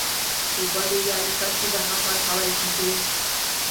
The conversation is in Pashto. په بډو يا رشوت کې به هم ورکول کېدې.